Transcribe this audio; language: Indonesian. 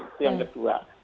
itu yang kedua